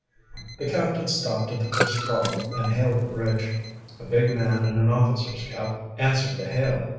The captain stopped at the first trawler and hailed the bridge. A big man in an officer's cap answered the hail.